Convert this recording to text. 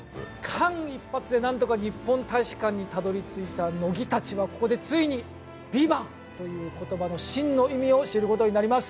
間一髪でなんとか日本大使館にたどり着いた乃木たちはここでついに、「ＶＩＶＡＮＴ」という言葉の真の意味を知ることにあります。